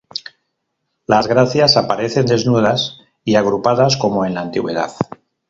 Las Gracias aparecen desnudas y agrupadas como en la antigüedad.